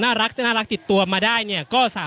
อย่างที่บอกไปว่าเรายังยึดในเรื่องของข้อ